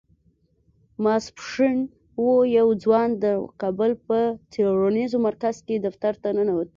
ماسپښين و يو ځوان د کابل په څېړنيز مرکز کې دفتر ته ننوت.